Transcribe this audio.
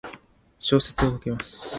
小説を書きます。